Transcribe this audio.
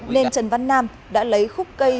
nên trần văn nam đã lấy khúc cây